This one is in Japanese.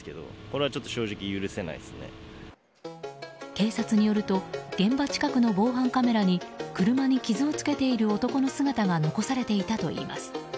警察によると現場近くの防犯カメラに車に傷をつけている男の姿が残されていたといいます。